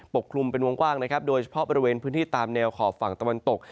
กลุ่มเป็นวงกว้างนะครับโดยเฉพาะบริเวณพื้นที่ตามแนวขอบฝั่งตะวันตก